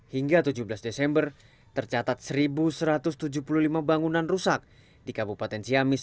hingga tujuh belas desember tercatat satu satu ratus tujuh puluh lima bangunan rusak di kabupaten ciamis